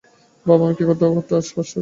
বাবা, আমি কি তোমার পাশে বসব?